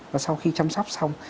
và sau khi chăm sóc xong